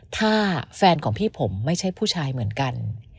ถ้าแฟนของพี่ผมไม่ใช่ผู้ชายเหมือนกัน